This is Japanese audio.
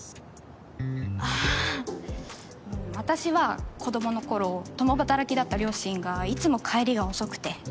あぁ私は子供の頃共働きだった両親がいつも帰りが遅くて。